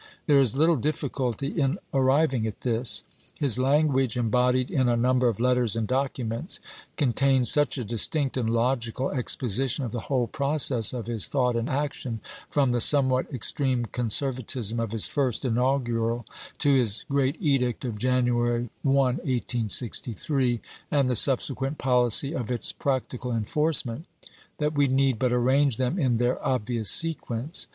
There is little difficulty in arriving at this. His language, embodied in a number of letters and documents, contains such a distinct and logical exposition of the whole process of his thought and action, from the somewhat ex treme conservatism of his first inaugural to his great edict of January 1, 1863, and the subsequent pohcy of its practical enforcement, that we need but arrange them in their obvious sequence.